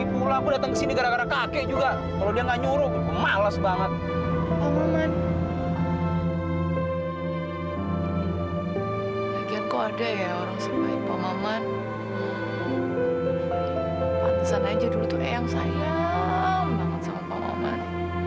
pantesan aja dulu tuh yang sayang banget sama pak maman